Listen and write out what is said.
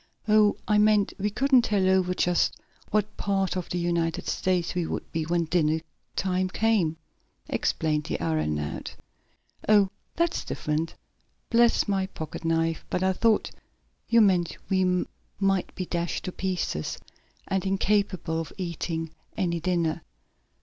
"Oh, I meant we couldn't tell over just what part of the United States we would be when dinner time came," explained the aeronaut. "Oh, that's different. Bless my pocket knife, but I thought you meant we might be dashed to pieces, and incapable of eating any dinner."